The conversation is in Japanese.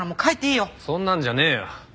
そんなんじゃねえよ。